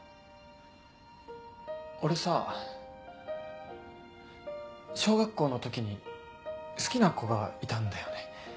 俺さ小学校の時に好きな子がいたんだよね。